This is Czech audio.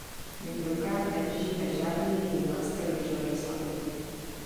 My v rukách nedržíme žádný jiný nástroj než legislativu.